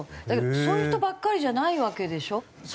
だけどそういう人ばっかりじゃないわけでしょ？